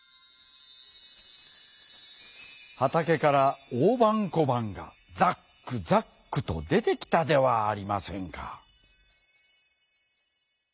はたけからおおばんこばんがザックザックとでてきたではありませんか。